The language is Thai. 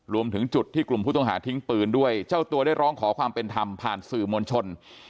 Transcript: รวมถึงจุดที่กลุ่มผู้ต้องหาทิ้งปืนด้วยเจ้าตัวได้ร้องขอความเป็นธรรมผ่านสื่อมวลชน